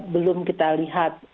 belum kita lihat